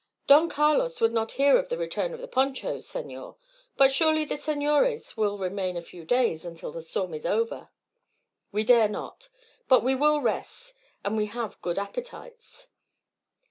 "Don Carlos would not hear of the return of the ponchos, senor. But surely the senores will remain a few days, until the storm is over?" "We dare not. But we will rest; and we have good appetites."